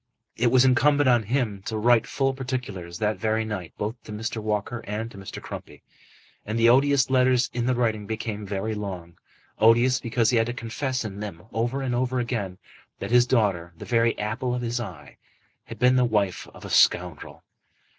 It was incumbent on him to write full particulars that very night both to Mr. Walker and to Mr. Crumpy. And the odious letters in the writing became very long; odious because he had to confess in them over and over again that his daughter, the very apple of his eye, had been the wife of a scoundrel.